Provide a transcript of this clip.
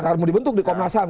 karena dibentuk di komnasam